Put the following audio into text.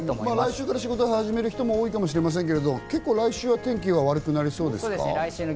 来週から仕事を始める方も多いかもしれませんが来週は天気が悪くなりそうですかね。